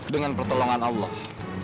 dengan pertolongan allah